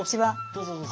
どうぞどうぞ。